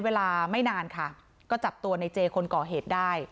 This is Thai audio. เวลาไม่นานค่ะก็จับตัวในเจคนก่อเหตุได้